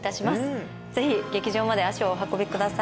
ぜひ劇場まで足をお運びください。